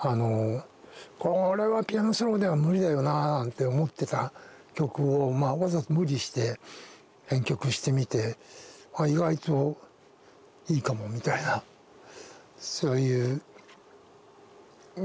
これはピアノソロでは無理だよななんて思ってた曲をわざと無理して編曲してみて意外といいかもみたいなそういう感じもあって楽しい作業でした。